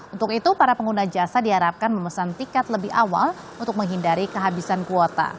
untuk itu para pengguna jasa diharapkan memesan tiket lebih awal untuk menghindari kehabisan kuota